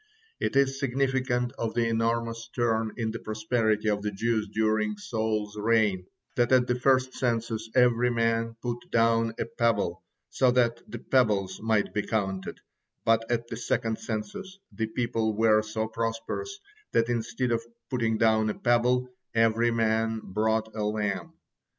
It is significant of the enormous turn in the prosperity of the Jews during Saul's reign, that at the first census every man put down a pebble, so that the pebbles might be counted, but at the second census the people were so prosperous that instead of putting down a pebble, every man brought a lamb.